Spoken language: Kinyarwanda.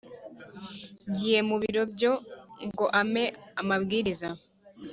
ngiye mu biro byo ngo ampe amabwiriza